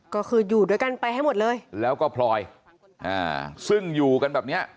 ก็คืออยู่ด้วยกันไปให้หมดเลยแล้วก็พลอยอ่าซึ่งอยู่กันแบบเนี้ย